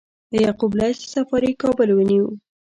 یعقوب لیث صفاري کابل ونیو